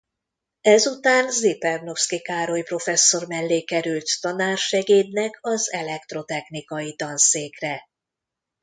Ezután Zipernowsky Károly professzor mellé került tanársegédnek az elektrotechnikai tanszékre.